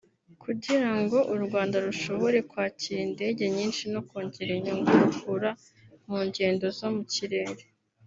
Kugirango u Rwanda rushobore kwakira indege nyinshi no kongera inyungu rukura mu ngendo zo mu kirere